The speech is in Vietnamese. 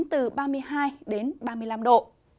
từ ba mươi hai ba mươi năm độ